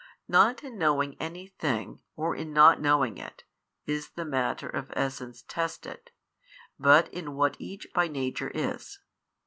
Not in knowing any thing or in not knowing it, is the matter of essence tested, but in what each by nature is.